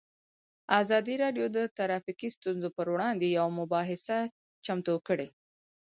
ازادي راډیو د ټرافیکي ستونزې پر وړاندې یوه مباحثه چمتو کړې.